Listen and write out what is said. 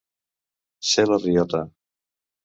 Ser la riota.